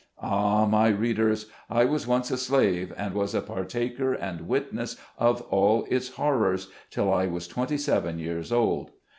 Ah, my readers ! I was once a slave, and was a partaker and witness of all its horrors till I was twenty seven years old.